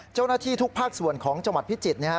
เจ้าหน้าที่ทุกภาคส่วนของจังหวัดพิจิตรนะครับ